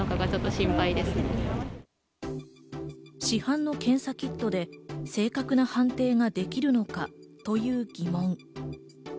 市販の検査キットで正確な判定ができるのか？という疑問。